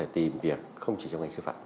tìm việc không chỉ trong ngành sư phạm